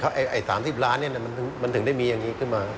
ไอ้๓๐ล้านมันถึงได้มีอย่างนี้ขึ้นมา